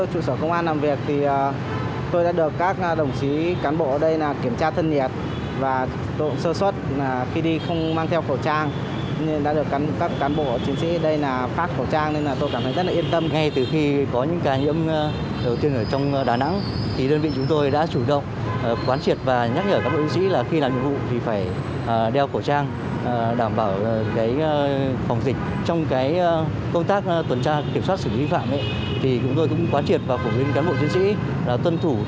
hôm nay khi đến trụ sở công an làm việc thì tôi đã được các đồng chí cán bộ ở đây kiểm tra thân nhiệt và độ sơ xuất